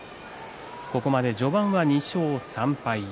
ここまで序盤は２勝３敗。